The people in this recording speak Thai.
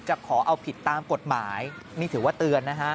ขอเอาผิดตามกฎหมายนี่ถือว่าเตือนนะฮะ